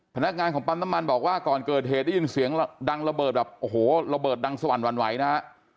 พนักงานของปั๊มน้ำมันบอกว่าก่อนเกิดเหตุได้ยินเสียงดังระเบิดแบบโอ้โหระเบิดดังสนั่นหวั่นไหวนะฮะ